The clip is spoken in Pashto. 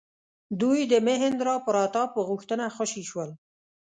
دوی د مهیندرا پراتاپ په غوښتنه خوشي شول.